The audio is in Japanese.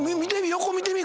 横見てみ。